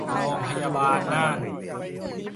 โรงพยาบาลน่าน